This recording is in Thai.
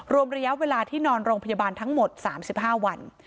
รวมระยะเวลาที่นอนโรงพยาบาลทั้งหมด๓๕วัน